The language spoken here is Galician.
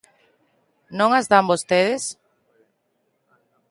¿Non as dan vostedes?